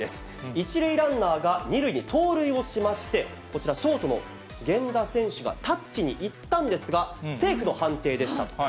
１塁ランナーが２塁に盗塁をしまして、こちら、ショートの源田選手がタッチに行ったんですが、セーフの判定でしたと。